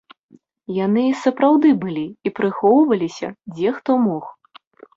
Яны і сапраўды былі і прыхоўваліся, дзе хто мог.